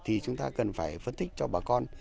thì chúng ta cần phải phân tích cho bà con